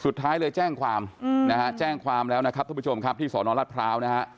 สุดท้ายเลยแจ้งความนะฮะแจ้งความแล้วนะครับท่านผู้ชมครับที่สอนอนรัฐพร้าวนะฮะ